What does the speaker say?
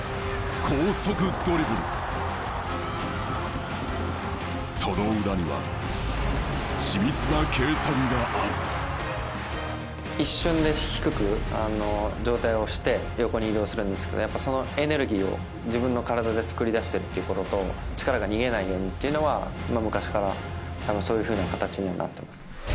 高速ドリブルその裏には緻密な計算がある一瞬で低く上体をして横に移動するんですけどやっぱそのエネルギーを自分の体で作りだしてるっていうことと力が逃げないようにっていうのは昔から多分そういうふうな形にはなってます